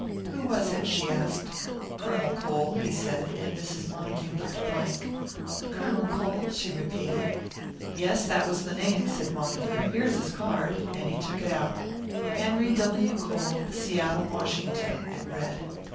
"Who was it?" she asked. "Colonel Cole," he said, and Mrs. Montague looked blank. "Colonel Cole?" she repeated. "Yes, that was the name," said Montague. "Here is his card," and he took it out. "Henry W. Cole, Seattle, Washington," it read.